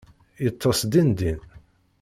Yeṭṭes din din.